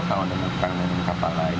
kalau dengan kapal lain